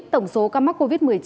tổng số ca mắc covid một mươi chín